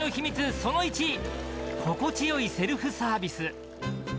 その１心地よいセルフサービス。